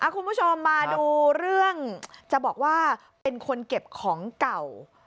คุณผู้ชมมาดูเรื่องจะบอกว่าเป็นคนเก็บของเก่า